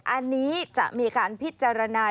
อันนี้จะมีการพิจารณา